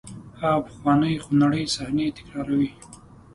هغه پخوانۍ خونړۍ صحنې تکراروئ.